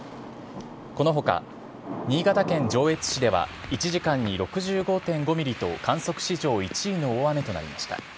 このほか新潟県上越市では１時間に６５．５ミリと、観測史上１位の大雨となりました。